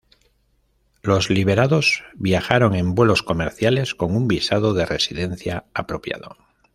Los liberados viajaron en vuelos comerciales con un visado de residencia apropiado.